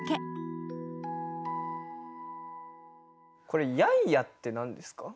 これ「ヤンヤ」って何ですか？